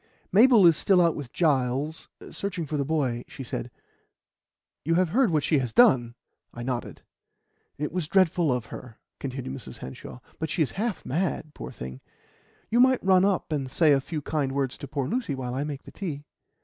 "Mabel is still out with Giles, searching for the boy," she said. "You have heard what she has done!" I nodded. "It was dreadful of her," continued Mrs. Hanshaw, "but she is half mad, poor thing. You might run up and say a few kind words to poor Lucy while I make the tea."